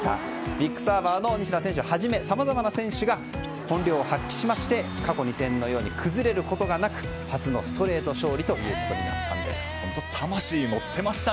ビッグサーバーの西田選手はじめさまざまな選手が本領を発揮しまして過去２戦のように崩れることなく初のストレート勝利となりました。